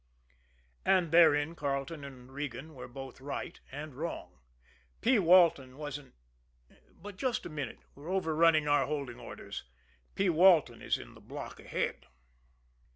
And therein Carleton and Regan were both right and wrong. P. Walton wasn't but just a minute, we're over running our holding orders P. Walton is in the block ahead.